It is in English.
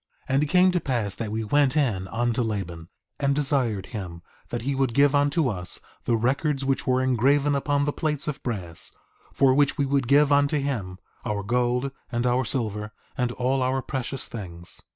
3:24 And it came to pass that we went in unto Laban, and desired him that he would give unto us the records which were engraven upon the plates of brass, for which we would give unto him our gold, and our silver, and all our precious things.